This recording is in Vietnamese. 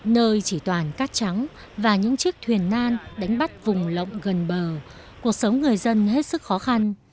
nơi chỉ toàn cát trắng và những chiếc thuyền nan đánh bắt vùng lộng gần bờ cuộc sống người dân hết sức khó khăn